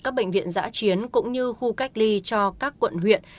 các bệnh viện giã chiến cũng như khu cách ly cho các quận huyện